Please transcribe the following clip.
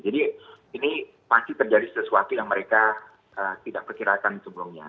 jadi ini pasti terjadi sesuatu yang mereka tidak perkirakan sebelumnya